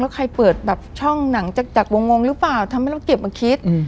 ใครเปิดแบบช่องหนังจากวงงงหรือเปล่าทำให้เราเก็บมาคิด